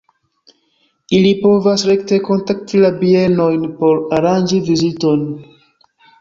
Ili povas rekte kontakti la bienojn por aranĝi viziton.